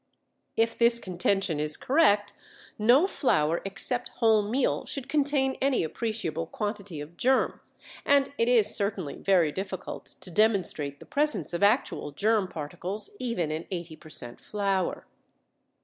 If this contention is correct no flour except wholemeal should contain any appreciable quantity of germ, and it is certainly very difficult to demonstrate the presence of actual germ particles even in 80 per cent. flour.